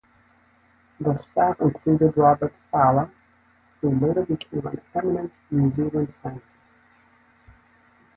The staff included Robert Falla, who later became an eminent New Zealand scientist.